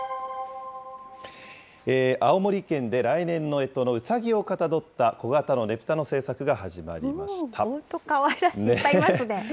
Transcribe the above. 青森県で来年のえとのうさぎをかたどった、小型のねぷたの制作が始まりました。